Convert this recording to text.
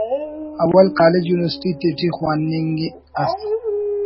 اول college university تیٹی خواننگ ئس